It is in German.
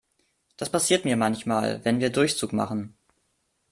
Das passiert mir manchmal, wenn wir Durchzug machen.